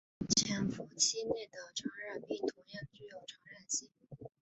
潜伏期内的传染病同样具有传染性。